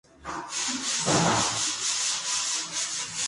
El campeón fue Urawa Red Diamonds, tras vencer en la final a Gamba Osaka.